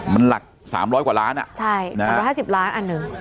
มันหลักสามร้อยกว่าร้านอ่ะใช่สามร้อยห้าสิบล้านอันหนึ่ง